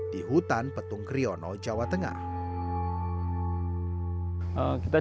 di hutan petung kriono jawa tengah